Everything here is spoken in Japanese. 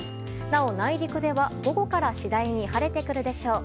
なお内陸では、午後から次第に晴れてくるでしょう。